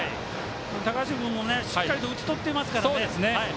高橋君もしっかりと打ち取ってますから。